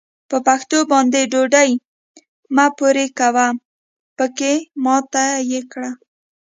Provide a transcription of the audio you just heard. په پښو باندې ډوډۍ مه پورې کوه؛ پکې ماته يې کړه.